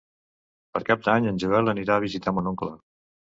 Per Cap d'Any en Joel anirà a visitar mon oncle.